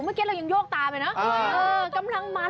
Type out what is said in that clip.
เมื่อกี้เรายังโยกต่ำเองนะ